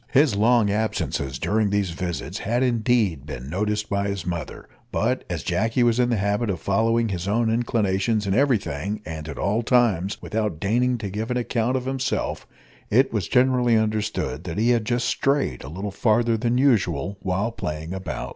His long absences, during these visits, had indeed been noticed by his mother; but as Jacky was in the habit of following his own inclinations in every thing and at all times, without deigning to give an account of himself; it was generally understood that he had just strayed a little farther than usual while playing about.